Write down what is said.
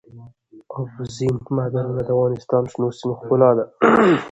اوبزین معدنونه د افغانستان د شنو سیمو ښکلا ده.